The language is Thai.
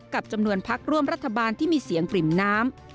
กับจำนวนพักร่วมรัฐบาลที่มีเสียงปริ่มน้ำ